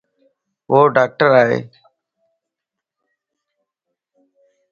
وو ڊاڪٽر ائي